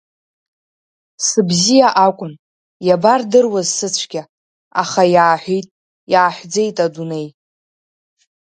Сыбзиа акәын, иабардыруаз сыцәгьа, аха иааҳәит, иааҳәӡеит адунеи.